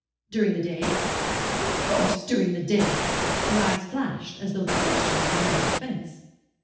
"During the day?" "Of course, during the day." Her eyes flashed, as though the question was another offence.